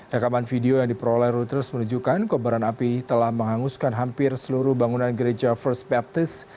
rekaman video yang diperoleh reuters menunjukkan kobaran api telah menghanguskan hampir seluruh bangunan gereja first baptis